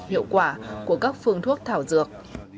hiệu quả của các phương thuốc thảo dược